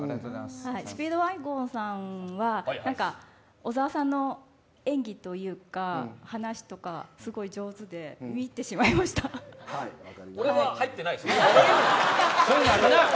スピードワゴンさんは小沢さんの演技というか、話とかすごい上手で見入ってしまいまし俺は入ってないですね。